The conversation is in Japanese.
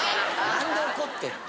何で怒ってんの？